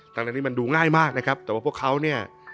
ทั้งนี้มันดูง่ายมากนะครับแต่ว่าพวกเขาเนี่ย